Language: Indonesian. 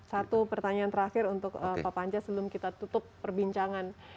satu pertanyaan terakhir untuk pak panca sebelum kita tutup perbincangan